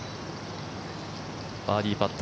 バーディーパット。